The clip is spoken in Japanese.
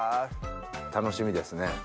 楽しみですね。